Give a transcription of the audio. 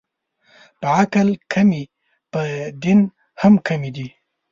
په عقل کمې، په دین هم کمې دي